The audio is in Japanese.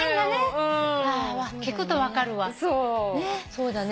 そうだね。